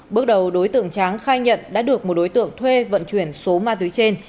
bước đầu đối tượng tráng khai nhận đã được một đối tượng thuê vận chuyển số ma túy trên